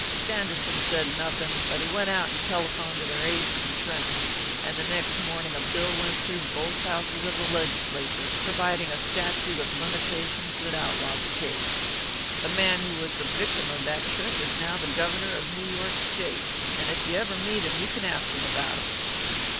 Sanderson said nothing, but he went out and telephoned to their agent in Trenton, and the next morning a bill went through both houses of the Legislature providing a statute of limitations that outlawed the case. The man who was the victim of that trick is now the Governor of New York State, and if you ever meet him, you can ask him about it."